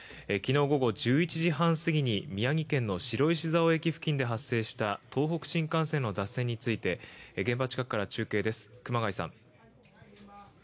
昨日午後１１時半過ぎに宮城県の白石蔵王駅付近で発生した東北新幹線の脱線について現場近くから中継です。